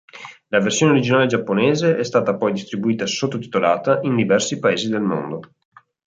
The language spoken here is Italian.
La versione originale giapponese è stata poi distribuita sottotitolata in diversi paesi del mondo.